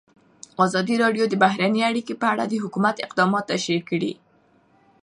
ازادي راډیو د بهرنۍ اړیکې په اړه د حکومت اقدامات تشریح کړي.